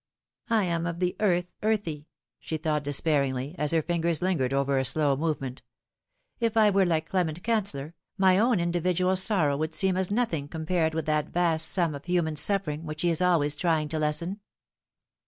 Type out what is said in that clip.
" I am of the earth earthy," she thought despairingly, as her fingers lingered over a slow movement. "If I were like Clement Canceller, my own individual sorrow would seem as nothing compared with that vast sum of human suffering which he is always trying to lessen."